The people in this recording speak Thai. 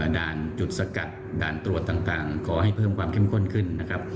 ด่านจุดสกัดด่านตรวจต่างขอให้เพิ่มความเข้มข้นขึ้นนะครับ